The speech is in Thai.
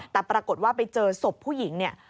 แต่ปรากฏว่าไปเจอศพผู้หญิงเนี่ย